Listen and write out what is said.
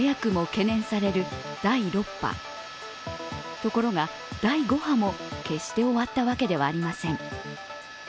ところが、第５波も決して終わったわけではありません。